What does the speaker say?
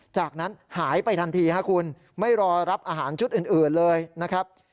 จากนั้นหายไปทันทีครับคุณไม่รอรับอาหารชุดอื่นเลยนะครับ